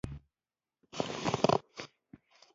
د جامعه تعليم القرآن پۀ نوم